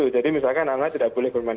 jadi misalkan anak anak tidak boleh